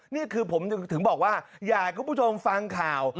นี่คือผมถึงบอกว่าอยากให้คุณผู้ชมฟังข่าว